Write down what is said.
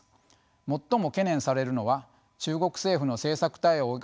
最も懸念されるのは中国政府の政策対応が鈍いことです。